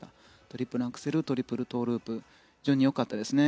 トリプルアクセルトリプルトウループは非常に良かったですね。